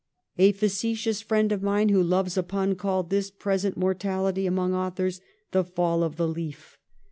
A facetious friend of mine who loves a pun called this present mortality among authors " the fall of the leaf."